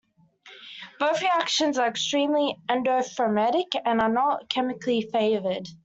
Both reactions are extremely endothermic and are not chemically favored.